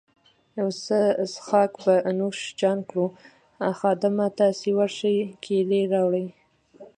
یو څه څیښاک به نوش جان کړو، خادمه، تاسي ورشئ کیلۍ راوړئ.